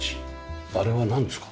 あれはなんですか？